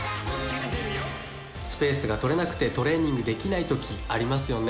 スペースがとれなくてトレーニングできないときありますよね。